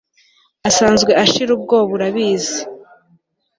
asanzwe ashira ubwoba urabizi